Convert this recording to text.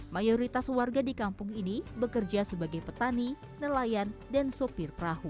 mayoritas warga di kampung ini bekerja sebagai petani nelayan dan sopir perahu